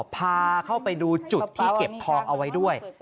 พาเข้าไปดูจุดที่เก็บทองเอาไว้ด้วย